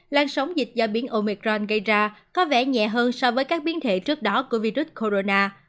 lan sóng dịch do biến omicron gây ra có vẻ nhẹ hơn so với các biến thể trước đó của virus corona